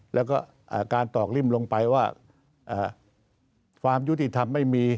แล้วก็การตอกริ่มลงไปว่าความยุติธรรมไม่มี